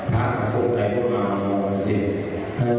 พักเขาคงไปพูดมามองไปเสีย